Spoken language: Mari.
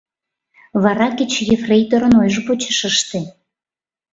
Вара кеч ефрейторын ойжо почеш ыште.